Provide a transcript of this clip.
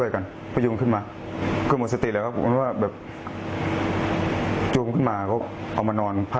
อ๋อยังไปยืนเข้าลูกได้เหมือนกันเนอะ